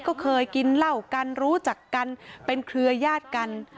ก็เคยกินเหล้ากันรู้จักกันเป็นเครือยาศกัน